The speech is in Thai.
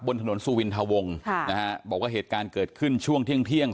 บนถนนสุวินทะวงค่ะนะฮะบอกว่าเหตุการณ์เกิดขึ้นช่วงเที่ยงเที่ยง